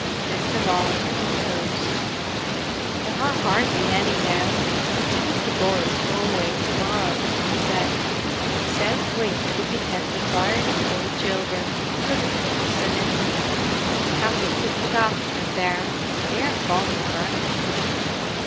Miss de Lisle interposed. "There are hardly any now—and two of the boys go away to morrow," she said. "The south wing could be kept entirely for the children, couldn't it, Mr. Linton? Katty could look after them there—they are fond of her."